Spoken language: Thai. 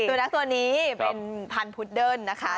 สุนัขตัวนี้เป็นพันธุดเดิ้ลนะคะ